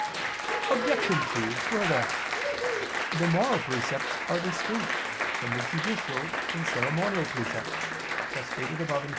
Obj. 2: Further, the moral precepts are distinct from the judicial and ceremonial precepts, as stated above (Q.